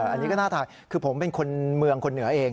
อันนี้ก็น่าทานคือผมเป็นคนเมืองคนเหนือเอง